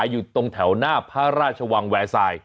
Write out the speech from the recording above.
อยู่ตรงแถวหน้าพระราชวังแวร์ทราย